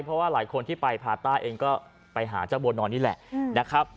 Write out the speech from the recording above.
เพราะว่าหลายคนที่ไปพาต้าเองก็ไปหาเจ้าบัวนอนนี่แหละนะครับ